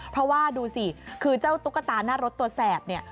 เพราะว่าดูสิคือเจ้าตุ๊กตาหน้ารถตัวแสบเนี่ย